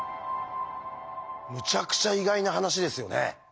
むちゃくちゃ意外な話ですよね。